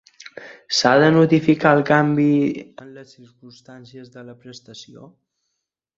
S'ha de notificar el canvi en les circumstàncies de la prestació?